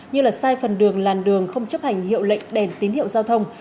như sai phần đường làn đường không chấp hành hiệu lệnh đèn tín hiệu giao thông